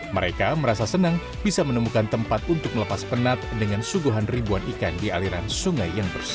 mereka merasa senang bisa menemukan tempat untuk melepas penat dengan suguhan ribuan ikan di aliran sungai yang bersih